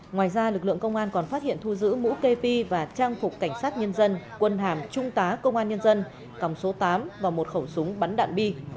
ngoài ra lực lượng công an còn phát hiện thu giữ mũ kê và trang phục cảnh sát nhân dân quân hàm trung tá công an nhân dân còng số tám và một khẩu súng bắn đạn bi